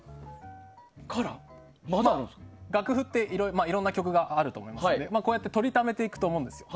楽譜っていろんな曲があると思うんですがこうやって撮りためていくと思うんですよ。